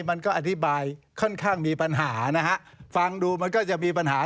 มันก็อธิบายค่อนข้างมีปัญหานะฮะฟังดูมันก็จะมีปัญหา